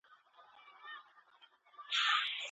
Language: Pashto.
ايا په شخړو کې د نجلۍ ورکول روا دي؟